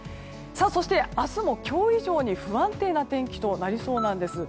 そして、明日も今日以上に不安定な天気となりそうです。